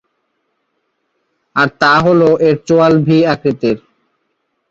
আর তা হলো এর চোয়াল ভি আকৃতির।